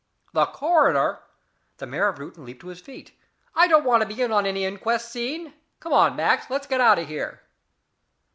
"The coroner!" The mayor of Reuton jumped to his feet. "I don't want to be in on any inquest scene. Come on, Max, let's get out of here."